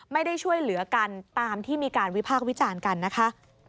ไม่ได้ช่วยเหลือกันตามที่มีการวิพากษ์วิจารณ์กันนะคะ